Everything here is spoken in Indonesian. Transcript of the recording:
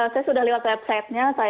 saya sudah lewat websitenya